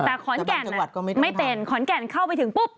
แต่ขอนแก่นไม่เป็นขอนแก่นเข้าไปถึงปุ๊บ